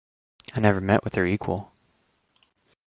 I never met with her equal.